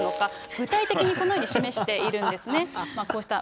具体的にこのように示しているんですね。